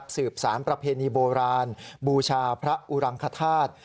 สืบสารประเพณีโบราณบูชาพระอุรังคธาตุ